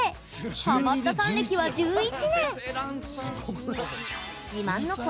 ハマったさん歴は１１年！